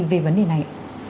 về vấn đề này